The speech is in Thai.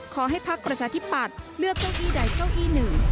ขอให้ความประชาชนเลย้ำเก้าอี้ไหนเก้าอี้หนึ่ง